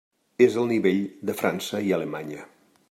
És el nivell de França i Alemanya.